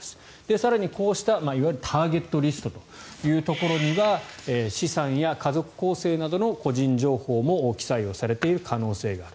更に、こうしたいわゆるターゲットリストというところには資産や家族構成などの個人情報も記載されている可能性がある。